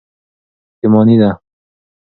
پښېماني ده.